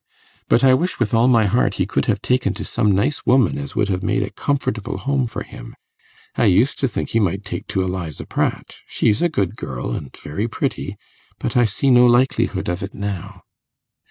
But I wish with all my heart he could have taken to some nice woman as would have made a comfortable home for him. I used to think he might take to Eliza Pratt; she's a good girl, and very pretty; but I see no likelihood of it now.